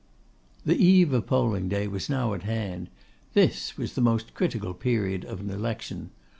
The eve of polling day was now at hand. This is the most critical period of an election.